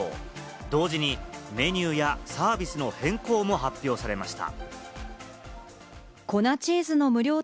同時にメニューやサービスの変更も発表されました。